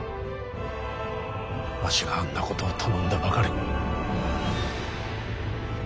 わしがあんなことを頼んだばかりに。